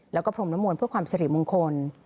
แล้วก็พรมนมลเพื่อความสิริมงคล